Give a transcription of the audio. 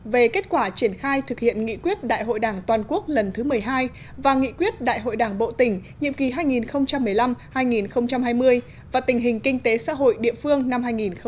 về kết quả triển khai thực hiện nghị quyết đại hội đảng toàn quốc lần thứ một mươi hai và nghị quyết đại hội đảng bộ tỉnh nhiệm kỳ hai nghìn một mươi năm hai nghìn hai mươi và tình hình kinh tế xã hội địa phương năm hai nghìn hai mươi